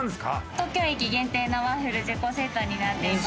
東京駅限定のワッフル１０個セットになっています。